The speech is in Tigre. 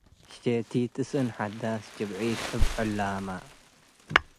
ሼቲት እስእን ሐዳስ - ጭብዕት እብ ዕላ’መ